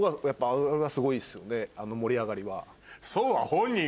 あの盛り上がりは。